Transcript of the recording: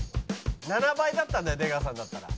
７倍だったんだよ出川さんだったら。